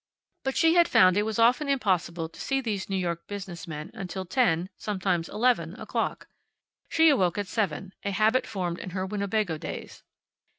But she had found it was often impossible to see these New York business men until ten sometimes eleven o'clock. She awoke at seven, a habit formed in her Winnebago days.